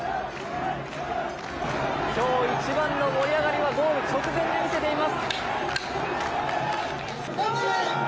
今日一番の盛り上がりはゴール直前で見せています。